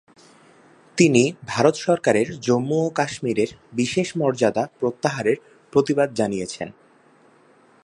তিনি ভারত সরকারের জম্মু ও কাশ্মীরের বিশেষ মর্যাদা প্রত্যাহারের প্রতিবাদ জানিয়েছেন।